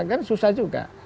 kan susah juga